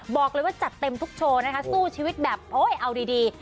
บอกเลยว่าจัดเต็มทุกโชว์นะคะสู้ชีวิตแบบโอ๊ยเอาดี